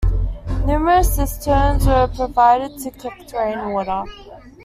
Numerous cisterns were provided to collect rain water.